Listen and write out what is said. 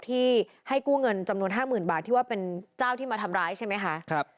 ที่ให้กู้เงินจำนวน๕๐๐๐บาทที่ว่าเป็นเจ้าที่มาทำร้ายใช่ไหมคะ